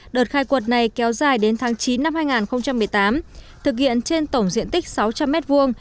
đợt khai quật này kéo dài đến tháng chín năm hai nghìn một mươi tám thực hiện trên tổng diện tích sáu trăm linh m hai